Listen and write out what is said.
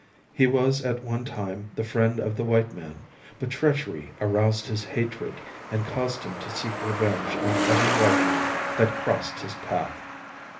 He was at one time the friend of the white man, but treachery aroused his hatred and caused him to seek revenge on every white man that crossed his path.